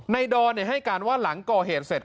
ดอนให้การว่าหลังก่อเหตุเสร็จ